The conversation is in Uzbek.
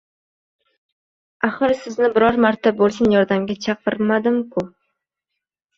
axir sizni biror marta boʻlsin yordamga chaqirmadim-ku…